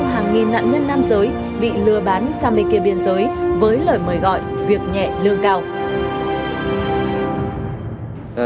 hàng nghìn nạn nhân nam giới bị lừa bán sang bên kia biên giới với lời mời gọi việc nhẹ lương cao